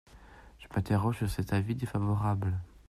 Je m’interroge sur cet avis défavorable.